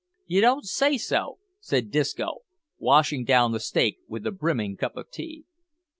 "You don't say so?" said Disco, washing down the steak with a brimming cup of tea.